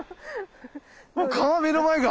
もう川目の前が。